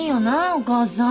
お母さん。